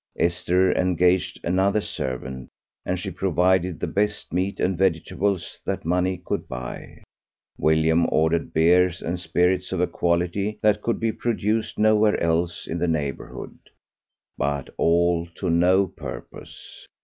Esther engaged another servant, and she provided the best meat and vegetables that money could buy; William ordered beer and spirits of a quality that could be procured nowhere else in the neighbourhood; but all to no purpose.